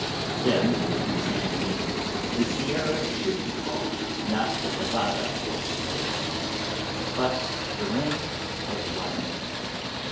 Then it seemed to me that the Sierra should be called, not the Nevada or Snowy Range, but the Range of Light.